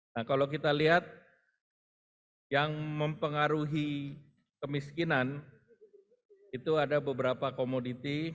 nah kalau kita lihat yang mempengaruhi kemiskinan itu ada beberapa komoditi